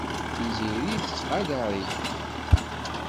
Tiziri tettqadar-ik.